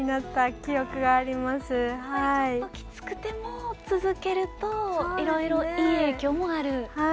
ちょっときつくても続けるといろいろ、いい影響もある。